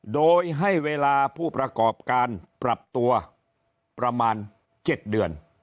โดยให้เวลาผู้ประกอบการปรับตัวประมาณ๗เดือน